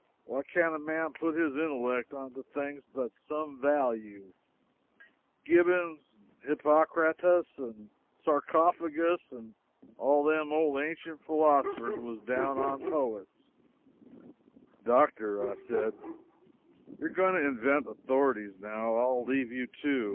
Why can't a man put his intellect onto things that's some value? Gibbons, and Hippocratus, and Sarcophagus, and all them old ancient philosophers was down on poets " "Doctor," I said, "you are going to invent authorities now and I'll leave you, too.